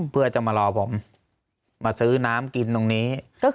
เพื่อจะมารอผมมาซื้อน้ำกินตรงนี้